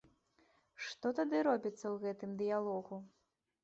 Што тады робіцца ў гэтым дыялогу?!